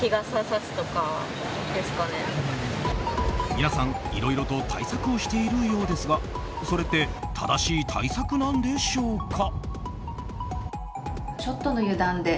皆さんいろいろと対策をしているようですがそれって正しい対策なんでしょうか。